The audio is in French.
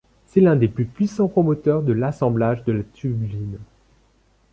C'est l'un des plus puissants promoteurs de l'assemblage de la tubuline.